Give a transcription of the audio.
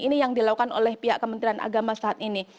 ini yang dilakukan oleh pihak kementerian agama saat ini